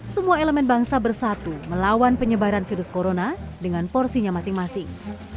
semua elemen bangsa bersatu melawan penyebaran virus corona dengan porsinya masing masing